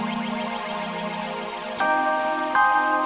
tidak tuan teddy